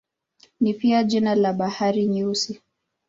Ni pia jina la Bahari Nyeusi.